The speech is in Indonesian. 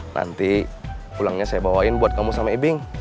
nanti pulangnya saya bawain buat kamu sama ibing